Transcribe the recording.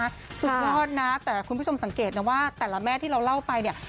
สุดยอดนะแต่คุณผู้ชมสังเกตนะว่าแต่ละแม่ที่เราเล่าไปเนี่ย